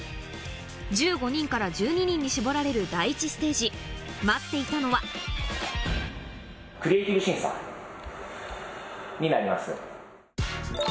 １５人から１２人に絞られる第１ステージ待っていたのはになります。